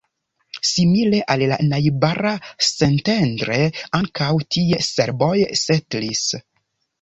Simile al la najbara Szentendre, ankaŭ tie serboj setlis.